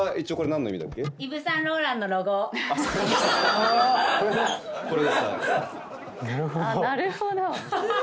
なるほど。